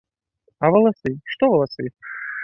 А валасы, што валасы?